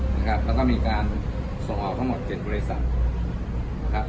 แล้วก็มีการส่งออก๗บริษัท